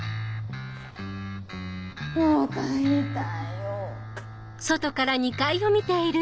もう帰りたいよ。